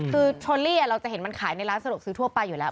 คือเชอรี่เราจะเห็นมันขายในร้านสะดวกซื้อทั่วไปอยู่แล้ว